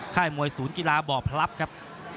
มวยศูนย์กีฬาบ่อพลับครับ